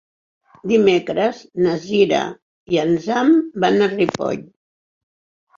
Dimecres na Cira i en Sam van a Ripoll.